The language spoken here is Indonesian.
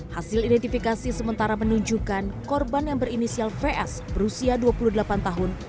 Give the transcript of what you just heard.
hasil identifikasi sementara menunjukkan korban yang berinisial vs berusia dua puluh delapan tahun